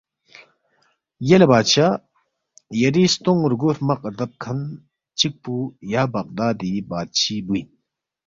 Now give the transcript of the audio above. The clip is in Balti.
’یلے بادشاہ یری ستونگ رگُو ہرمق ردَب کھن چِک پو یا بغدادی بادشی بُو اِن